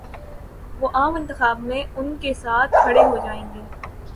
تو عام انتخابات میں ان کے ساتھ کھڑے ہو جائیں گے۔